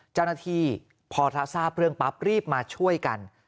เจ้าหน้าที่พอถ้าทราบเรื่องปั๊บรีบมาช่วยกัน